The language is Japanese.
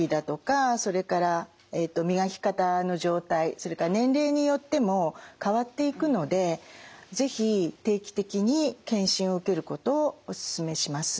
それから年齢によっても変わっていくので是非定期的に健診を受けることをお勧めします。